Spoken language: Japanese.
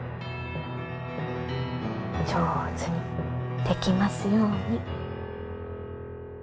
上手にできますように。